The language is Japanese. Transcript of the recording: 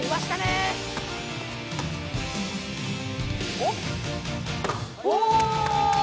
お！